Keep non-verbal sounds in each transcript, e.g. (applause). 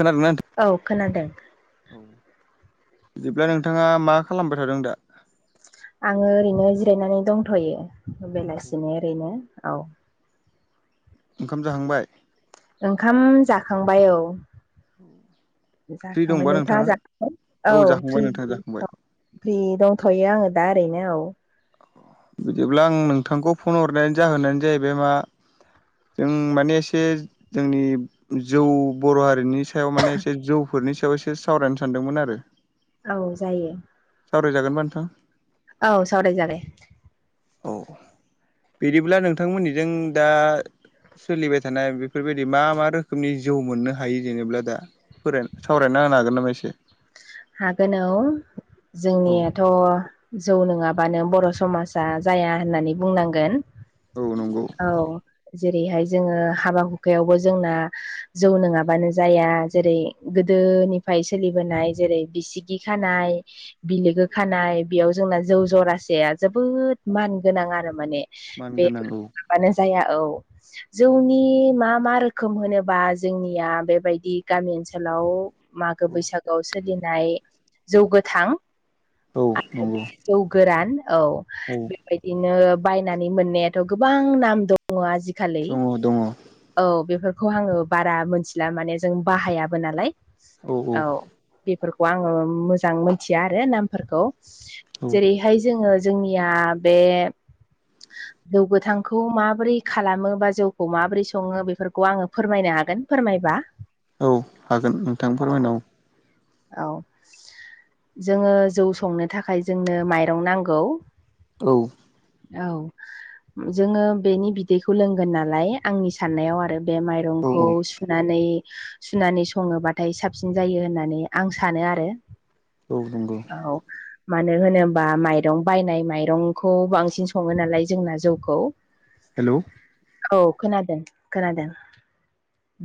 खोनादोंना नों औ खोनादों औ बिदिब्ला नोंथाङा मा खालामबाय थादों दा? आङो ओरैनो जिरायनानै दंथ'यो बेलासिनि ओरैनो औ । ओंखाम जाहांबाय? ओंखाम जाखांबाय औ । फ्रि जाखांबाय दंबा नोंथाङा जाखांबाय औ जाखांबाय फ्रि नोंथां जाखांबाय। फ्रि दंथ'यो आङो दा ओरैनो औ बिदिब्ला आं नोंथांखौ फन हरनायानो जाहोनानो जाहैबाय मा जों माने एसे जोंनि जौ बर' हारिनि सायाव माने एसे जौफोरनि सायाव एसे सावरायनो सानदोंमोन आरो । औ जायो । सावरायजागोनबा नोंथां । औ सावराय जाबाय । औ (inaudible) बिदिब्ला नोंथांमोननिजों दा? सोलिबाय थानाय बेफोरबायदि मा मा रोखोमनि जौ मोननो हायो जेनेबा दा सावरायना होनो हागोन नामा एसे? हागोन औ औ जोंनियाथ' जौ नङाबानो बर' समाजा जाया होननानै बुंनांगोन । औ नोंगौ । औ जेरैहाय जोङो हाबा हुखायावबो जोंना । जौ नोङाबानो जाया जेरै गोदोनिफ्राय सोलिबोनाय जेरै बिसिगि खानाय बिलोगो खानाय बेयाव जोंना जौ जरासेया जोबोद मान गोनां आरो माने मान बे गोनां औ माबानो जाया औ । जौनि मा मा रोखोम होनोबा जोंनिया बेबायदि गामि ओनसोलाव? मागो औ बैसागोआव सोलिनाय जौ गोथां । औ उम । जौ गोरान औ । औ । बिदिनो बायनानै मोननायाथ गोबां नाम दङ आजिखालि दङ । दङ औ औ बेफोरखौ आङो बारा मोनथिला माने जों बाहायाबो नालाय औ । बेफोरखौ आङो मोजां मिथिया आरो नामफोरखौ औ जेरैहाय जोङो जोंनिया बे जौ गोथांखौ माबोरै खालामो बा जौखौ माबोरै सङो बेफोरखौ आङो फोरमायनो हागोन फोरमायबा । औ हागोन नोंथां फोरमायनो औ । औ जोङो जौ संनो थाखाय जोंनो माइरं नांगौ । औ । औ । जोङो बेनि बिदैखौ लोंगोन नालाय आंनि साननायाव आरो बे माइ । औ रंखौ औ सुनानै सुनानै सङोबाथाय साबसिन जायो होननानै । आं सानो आरो । औ नंगौ। औ मानो होनोबा माइरं बायनाय माइरंखौ बांसिन सङो नालाय जोंना जौखौ। (inaudible) हेलौ औ खोनादों खोनादों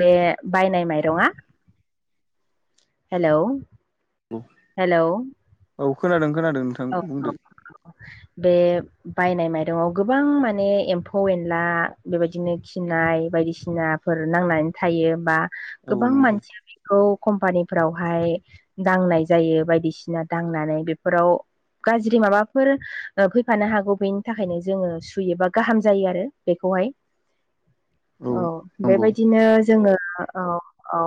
बे बायनाय माइरङा हेलौ औ हेलौ औ खोनादों खोनादों औ औ बुंदो औ बे बायनाय माइरंङाव गोबां माने एम्फौ एनला बेबायदिनो खिनाय बायदिसिना फोर नांनानै थायो बा औ गोबां नंगौ मानसिया बेखौ कम्पानिफ्रावहाय दांनाय जायो बायदिसिना दांनानै बेफोराव गाज्रि माबाफोर ओ फैफानो हागौ बेनि थाखायनो जोंङो सुयो बा गाहाम जायो आरो बेखौहाय। औ नंगौ बेबायदिनो जोंङो औ औ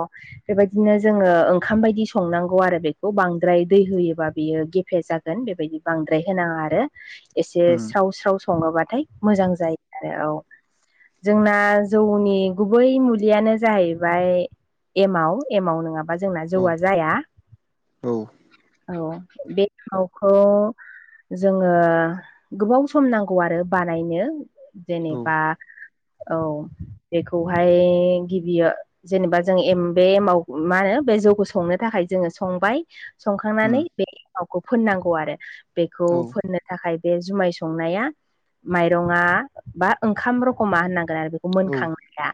बेबायदिनो जोंङो ओंखाम बायदि संनांगौ आरो बेखौ बांद्राय दै होयोबा बियो गेफे जा गोन बेबायदि बांद्राय होनांङा आरो। एसे उम साव साव संङोबाथाय मोजां जायो आरो औ जोंना जौनि गुबै मुलियानो जाहैबाय एमाव एमाव नोंङाबा जोंना औ जौआ जाया औ औ बे खौ जोंङो गोबाव सम नांगौ आरो बानायनो । औ जेनेबा औ बेखौहाय गिबियो जेनेबा जों एम बे एमाव मा होनो बे जौखौ संनो थाखाय जोंङो संबाय उम संखांनानै बे एमावखौ फोननांगौ आरो बेखौ औ फोननो थाखाय बे जुमाय संनाया माइरंङा बा ओंखाम रखमा होननांगोन आरो बे खौ औ मोनखांनाया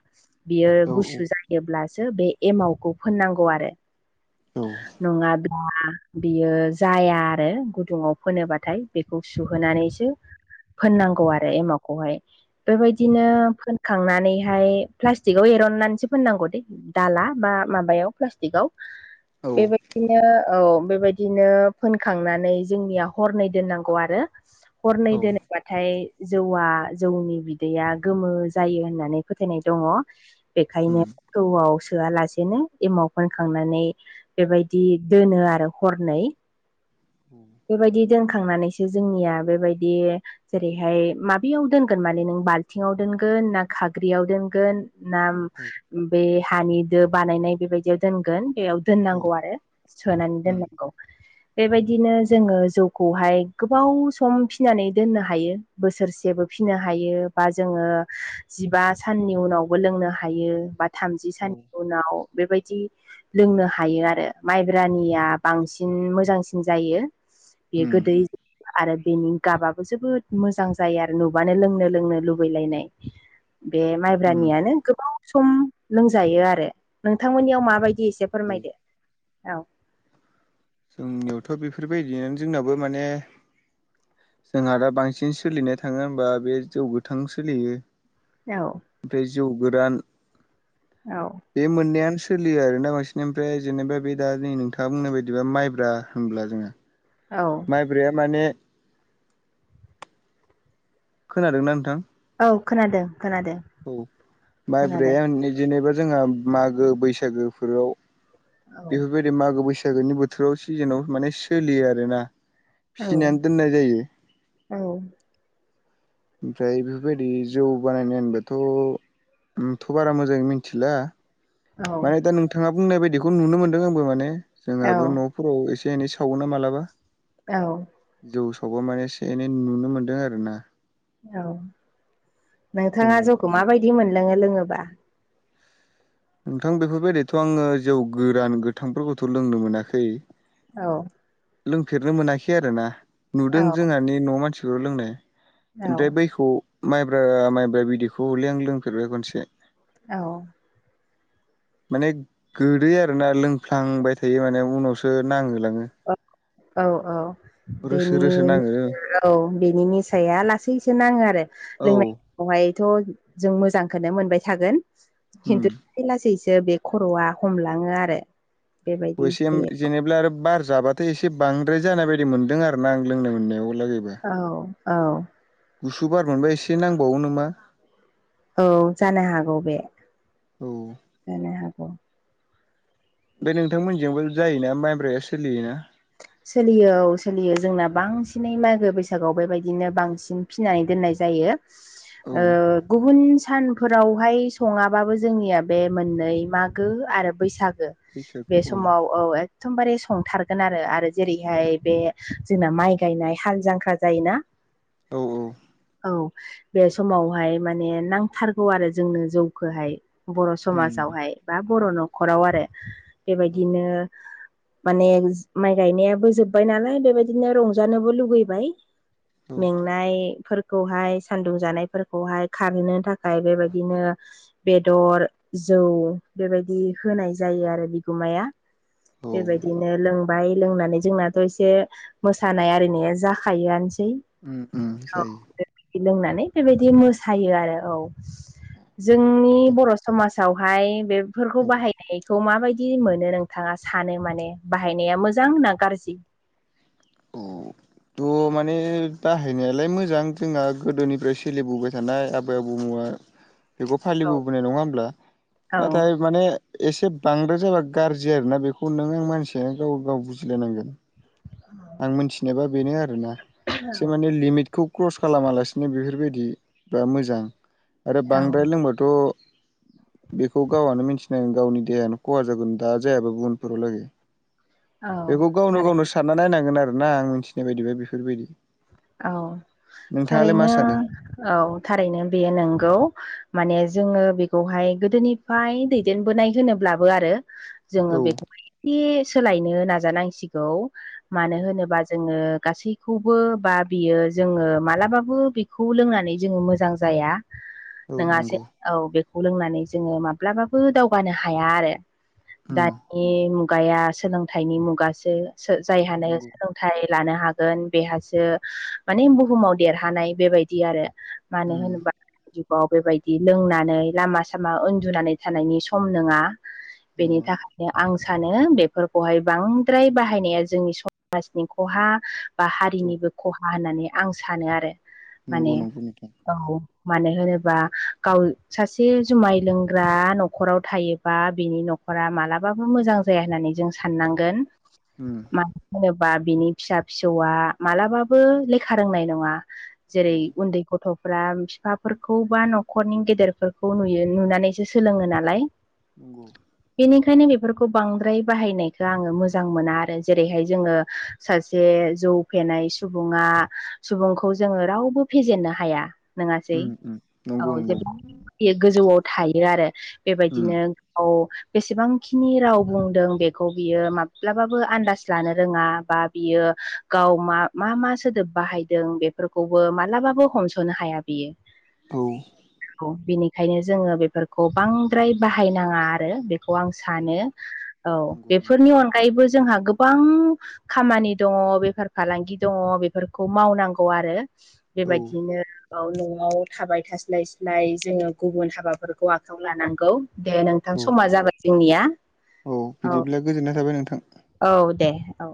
बियो औ गुसु जायोब्लासो बे एमावखौ फोननांगौ आरो। नंङाब्ला बियो जाया आरो गुदुंङाव फोनोबाथाय। बेखौ सुहोनानैसो फोननांगौ आरो एमावखौहाय। बेबायदिनो उम फोनखांनानैहाय प्लास्टिकआव एरननानैसो फोननांगौ दे। दाला बा माबायाव प्लास्टिकआव औ बेबायदिनो औ बेबाय दिनो फोनखांनानै जोंनिया हरनै दोननांगौ आरो हरनै दोन बाथाय जौआ जौनि बिदैया गोमो जायो होननानै फोथायनाय दंङ। उम बेखायनो थौआव सोआलासेनो एमाव फोनखांनानै बेबायदि दोनो आरो हरनै उ (inaudible) बेबायदि दोनखांनानैसो जोंनिया बेबायदि जेरैहाय माबेयाव दोनगोन माने नों बाल्थिंआव दोनगोन ना खाग्रियाव दोनगोन ना औ बे हानि दो बानायनाय बेबायदियाव दोनगोन बेयाव औ दोननांगौ उम आरो सोनानै दोननांगौ बेबायदिनो जोंङो जौखौहाय गोबाव सम फिनानै दोननो हायो बोसोरसेबो फिनो हायो। बा जोंङो जिबा साननि उनावबो लोंनो हायो बा थामजि औ साननि उनाव बेबायदि लोंनो हायो आरो माइब्रानिया बांसिन मोजांसिन जायो। बेयो उम गोदै आरो बेनि गाबाबो जोबोद मोजां जायो आरो नुबानो लोंनो लोंनो लुबैलायनाय। बे उम माइब्रानियानो गोबाव सम लोंजायो आरो नोंथांमोननियाव माबायदि एसे औ फोरमायदो औ जोंनियावथ' बेफोरबायदिनो जोंनाबो माने जोंहा दा बांसिन सोलिनाय थांङो होमबा बे जौ गोथां सोलियो। औ ओमफाय जौ गोरान औ बे मोननायानो सोलियो आरोना बांसिन ओमफ्राय जेनेबा बे दा नै नोंथांङा बुंनाय बायदिबा माइब्रा होमब्ला जोंङो औ माइब्राया माने खोनादोंना नोंथां? औ खोनादों खोनादों। औ खोनादों माइब्रायाने जेनेबा जोंहा मागो बैसागोफोराव औ बेफोरबायदि मागो बैसागोनि बोथोराव सिजेनाव माने सोलियो आरोना। औ फिनानै दोननाय जायो। औ ओमफ्राय बेफोरबायदि जौ बानायनाय होनबाथ' आंथ' बारा मोजाङै मिनथिला। औ माने दा नोंथाङा बुंनाय बायदिखौ नुनो मोन्दों आंबो माने औ जोंहाबो न' फोराव एसे एनै सावोना मालाबा। औ जौ सावबा माने एसे एनै नुनो मोन्दों आरोना। औ औ नोंथाङा जौखौ माबायदि मोनलोङो लोङोबा? नोंथां बेफोरबायदिथ' आङो जौ गोरान गोथांफोरखौथ' लोंनो मोनाखै। औ लोंफेरनो मोनाखै आरो ना नुदों औ जोंहानि न' मानसिफोर लोंनाय। औ ओमफ्राय बैखौ माइब्रा माइब्रा बिदैखौ हले आं लोंफेरबाय खनसे। औ माने गोदै आरोना लोंफ्लांबाय थायो माने उनावसो नांहोलाङो। औ औ रोसो बेनि रोसो नाङो औ बेनि निसाया लासैसो नाङो आरो औ लोंनाय यावहायथ' जों मोजांखोनो मोनबाय थागोन उम खिन्थु लासै लासैसो बे खर'आ हमलाङो आरो। बेबायदि बयसेम जायो जेनेब्ला आरो बार जाबा थाय एसे बांद्राय जानाय बायदि मोनदों आरो ना आं लोंनाय मोननायाव लागैबो। औ औ। गुसु बार मोनबा एसे नांबावो नामा? औ जानो हागौ बे औ जानो हागौ। ओमफाय नोंथांमोनजोंबो जायोना माइब्राया सोलियोना? सोलियो औ सोलियो जोंना बांसिनै मागो बैसागोआव बेबायदिनो बांसिन फिनानै दोननाय जायो। औ ओ गुबुन सानफोरावहाय सङाबाबो जोंनिया बे मोननै माग गो आरो बैसागो बे समाव औ एकथमबारे संथार गोन आरो आरो जेरैहाय बे जोंना माइ गायनाय हाल जांख्रा जायोना औ औ औ बे समावहाय माने नांथारगौ आरो जोंनो जौखोहाय। बर' उम समाजावहाय बा बर' न'खराव आरो औ बेबायदिनो माने माइ गायनायाबो जोब्बाय नालाय बेबायदिनो रंजानोबो लुगैबाय। औ में नाय फोरखौहाय सान्दुं जानायफोरखौहाय खारहोनो थाखाय बेबायदिनो बेदर जौ बेबायदि होनाय जायो आरो बिगुमाया। औ बेबायदिनो लों बाय लोंनानै जोंनाथ' एसे मोसानाय आरिनाया जाखायो आनोसै। उम उम जायो। लोंनानै बेबायदि मोसायो आरो औ जोंनि बर' समाज जावहाय बेफोरखौ औ बाहायनायखौ माबायदि मोनो नोंथाङा सानो माने बाहाय नाया मोजां ना गारजि? औ (inaudible) थ' माने बाहायनायालाय मोजां जोंहा गोदोनिफ्राय सोलिबोबाय थानाय आबै आबौमोवा (inaudible) बेखौ औ फालिबोबोनाय नङा होमब्ला औ नाथाय माने एसे बांद्राय जाबा गारजि आरोना बेखौ नों आं मानसिया गाव गाव बुजिलायनांगोन। आं मोनथिनायबा बेनो आरोना एसे माने लिमिट खौ क्रस खालामालासिनो बेफोरबायदि बा मोजां आरो औ बांद्राय लोंबाथ बेखौ गावानो मिथिनांगौ गावनि देहायानो खहा जागोन दा जायाबा उनफोराव लागै (inaudible) बेखौ गावनो गावनो थारैनो सानना नायनांगोन आरोना आं मिथिनाय बायदिबा बेफोरबायदि आं नोंथाङालाय मा थारैनो सानो औ थारैनो बेयो नोंगौ माने जोङो बेखौहाय गोदोनि फाय दैदेनबोनाय होनोब्लाबो आरो औ जोङो बेखौहाय एसे सोलायनो नाजानांसिगौ मानो होनोबा जोङो गासैखौबो बा बियो जोङो मालाबाबो बेखौ लोंनानै जोङो मोजां जाया औ नोङासे नंगौ औ बेखौ लोंनानै जोङो माब्लाबाबो दावगानो हाया आरो उम दानि मुगाया सोलोंथाइनि मुगासो सो जायहानो नंगौ सोलोंथाइ लानो हागोन बेहासो माने बुहुमाव देरहानाय बेबायदि आरो मानो उम होनोबा अ बेबायदि लोंनानै लामा सामा उन्दुनानै थानायनि सम नोङा बेनि नङा थाखा आं सानो बेफोरखौहाय बांद्राय बाहायनाया जोंनि समाजनि खहा बा औ हारिनिबो खहा होननानै आं सानो आरो नंगौ माने नंगौ नोंथां औ मानो होनोबा गाव सासे जुमाय लोंग्रा न'खराव थायोबा बिनि नख नखरा मालाबाबो मोजां जाया होननानै जों साननांगोन ओम मानो होनोबा बिनि फिसा फिसौआ मालाबाबो लेखा रोंनाय नङा जेरै औ उन्दै गथ' फोरा फिफाफोरखौ बा न'खरनि गेदेरफोरखौ नुयो नुनानैसो सोलोङो नालाय (inaudible) बेनिखायनो बेफोरखौ बांद्राय बाहायनायखौ आङो मोजां मोना आरो जेरैहाय जोङो सासे जौ फेनाय सुबुङा सुबुंखौ जोङो रावबो फेजेननो हाया नङासै उम उम औ नंगौ नंगौ जोबोद गोजौआव थायो आरो उम बेबायदिनो औ बेसेबांखिनि राव बुंदों बेखौ बियो माब्लाबाबो आन्दाज लानो रोङा बा बियो गाव मा मा मा सोदोब बाहायदों बेफोरखौबो मालाबाबो हमस'नो हाया बियो औ औ बिनिखायनो जोङो बेफोरखौ बांद्राय बाहायनाङा आरो बे खौ आं सानो औ नंगौ नंगौ बेफोरनि अनगायैबो जोंहा गो गोबां खामानि दङ बेफार फालांगि दङ बेफोरखौ मावनांगौ आरो औ बेबायदिनो औ न'आव थाबाय थास्लाय स्लाय जोङो गुबुन हाबाफोरखौ आखायाव लानांगौ दे नोंथां औ समा जाबाय जोंनिया औ बिदिब्ला गोजोननाय थाबाय नोंथां औ दे औ